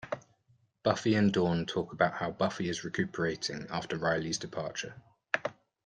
Buffy and Dawn talk about how Buffy is recuperating after Riley's departure.